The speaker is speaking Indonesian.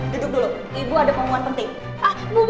duduk dulu ibu ada pengumuman penting